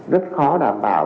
rất khó đảm bảo